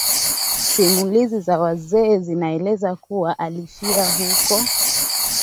simulizi za wazee zinaeleza kuwa alifia huko